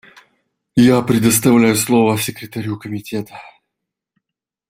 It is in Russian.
Я предоставляю слово секретарю Комитета.